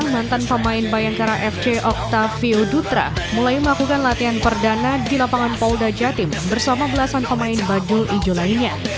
mantan pemain bayangkara fc octavio dutra mulai melakukan latihan perdana di lapangan polda jatim bersama belasan pemain bagul ijo lainnya